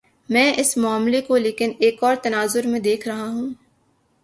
میں اس معاملے کو لیکن ایک اور تناظر میں دیکھ رہا ہوں۔